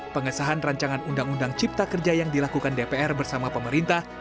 pengesahan rancangan undang undang cipta kerja yang dilakukan dpr bersama pemerintah